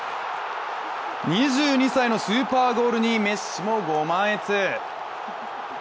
２２歳のスーパーゴールにメッシもご満悦。